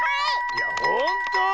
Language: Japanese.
いやほんとう？